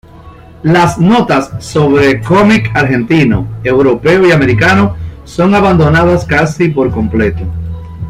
Las notas sobre comic argentino, europeo y americano son abandonadas casi por completo.